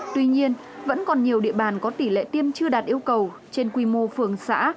tuy nhiên vẫn còn nhiều địa bàn có tỷ lệ tiêm chưa đạt yêu cầu trên quy mô phường xã